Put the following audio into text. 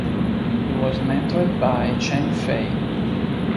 He was mentored by Chang Fei.